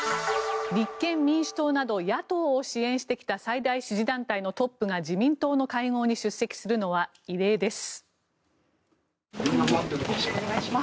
立憲民主党など野党を支援してきた最大支持団体のトップが自民党の会合に出席するのは異例です。